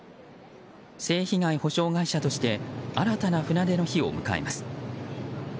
性被害補償会社として新たな船出の日を迎えます。